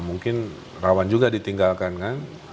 mungkin rawan juga ditinggalkan kan